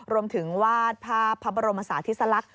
รวมถึงวาดภาพพระบรมศาธิสลักษ